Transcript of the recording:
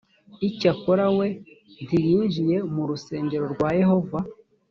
icyakora we ntiyinjiye mu rusengero rwa yehova.